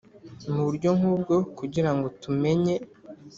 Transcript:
Mu buryo nk ubwo kugira ngo tumenye